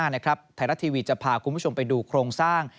ไทยรัฐทีวีจะพาคุณผู้ชมไปดูโครงสร้าง